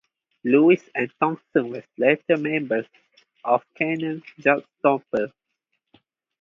Lewis and Thompson later were members of Cannon's Jug Stompers.